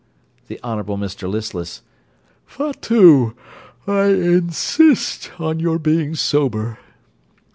THE HONOURABLE MR LISTLESS Fatout! I insist on your being sober.